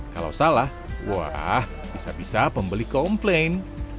kalau salah wah bisa bisa pembeli komplain